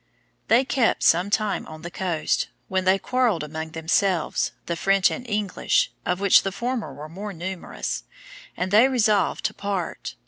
They kept some time on the coast, when they quarrelled among themselves, the French and English, of which the former were more numerous, and they resolved to part.